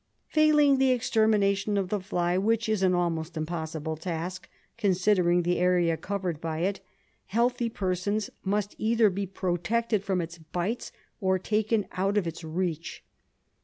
Failing the extermination of the fly, which is an almost impossible task, considering the area covered by it, healthy persons must either be protected from its bites or taken out of its reach.